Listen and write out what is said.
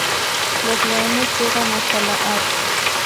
Los Leones, llega hasta la Av.